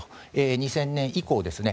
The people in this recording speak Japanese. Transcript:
２０００年以降ですね。